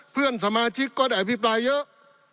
เพื่อนสมาชิกก็ได้อภิปรายเยอะ